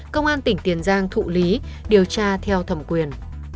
công an tỉnh tiền giang thụ lý điều tra theo thẩm quyền